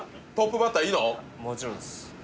もちろんです